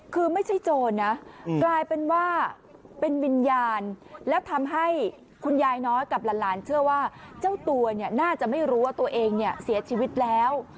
คุณยายน้อยกับหลานเชื่อว่าเจ้าตัวน่าจะไม่รู้ว่าตัวเองเสียชีวิตแล้ว